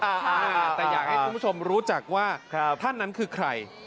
แต่อยากให้คุณผู้ชมรู้จักว่าท่านนั้นคือใคร